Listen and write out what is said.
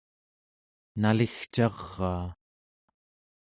naligcaraa